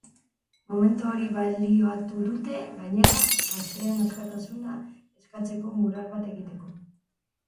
Momentu hori baliatu dute, gainera, gazteen askatasuna eskatzeko mural bat egiteko.